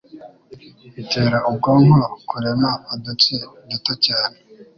itera ubwonko kurema udutsi duto cyane